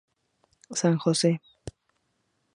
San Jose.